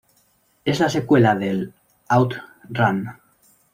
Es la secuela del Out Run.